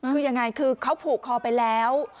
คือยังไงคือเขาผูกคอไปแล้ว